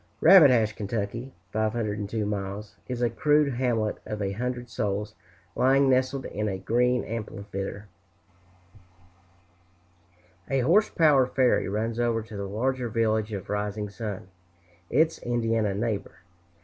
Rabbit Hash, Ky. (502 miles), is a crude hamlet of a hundred souls, lying nestled in a green amphitheater. A horse power ferry runs over to the larger village of Rising Sun, its Indiana neighbor.